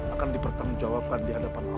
akan dipertanggungjawabkan di hadapan allah